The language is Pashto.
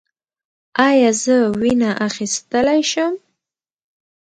ایا زه وینه اخیستلی شم؟